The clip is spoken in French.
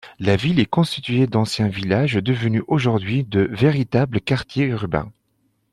La ville est constituée d'anciens villages devenus aujourd'hui de véritables quartiers urbains.